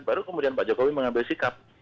baru kemudian pak jokowi mengambil sikap